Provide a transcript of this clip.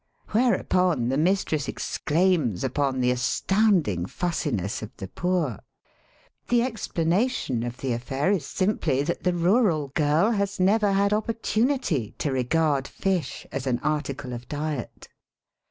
Whereupon the mistresa exclaims upon the astounding fussiness of the poor! The explana tion of the affair is simply that the rural girl has never had opportunity to regard fish as an article of diet.